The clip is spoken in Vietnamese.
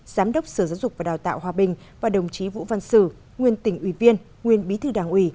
giám đốc sở giáo dục và đào tạo hòa bình và đồng chí vũ văn sử nguyên tỉnh ủy viên nguyên bí thư đảng ủy